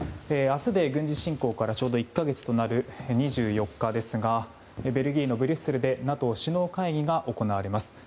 明日で軍事侵攻からちょうど１か月となる２４日ですがベルギーのブリュッセルでＮＡＴＯ首脳会議が行われます。